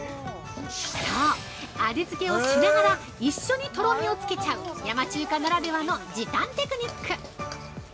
◆そう、味付けをしながら一緒にとろみをつけちゃう山中華ならではの時短テクニック。